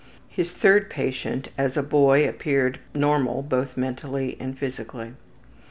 His third patient as a boy appeared normal both mentally and physically.